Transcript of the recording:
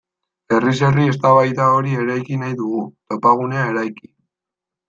Herriz herri eztabaida hori ireki nahi dugu, topagunea eraiki.